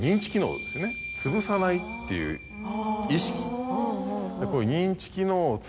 つぶさないっていう意識。